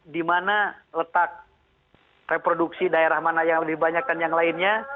di mana letak reproduksi daerah mana yang dibanyakan yang lainnya